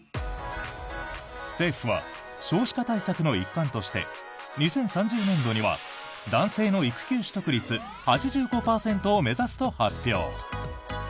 政府は少子化対策の一環として２０３０年度には男性の育休取得率８５％を目指すと発表。